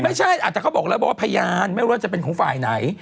อาจจะเขาบอกแล้วว่าพยานไม่ว่าจะเป็นของฝ่ายไหน